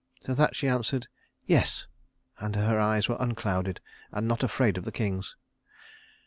To that she answered, "Yes," and her eyes were unclouded and not afraid of the king's.